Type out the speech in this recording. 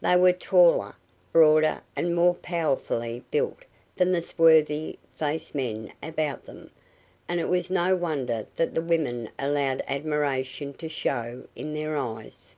They were taller, broader and more powerfully built than the swarthy faced men about them, and it was no wonder that the women allowed admiration to show in their eyes.